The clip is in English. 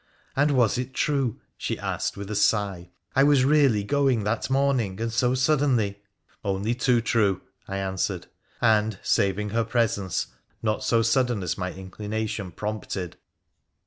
And was it true, she asked with a sigh, I was really going that morning, and so suddenly ? Only too true, I answered, and, saving her presence, not so sudden as my inclination prompted.